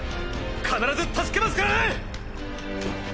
必ず助けますからね！